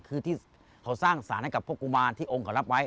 คือที่เขาสร้างสารให้กับพวกกุมารที่องค์เขารับไว้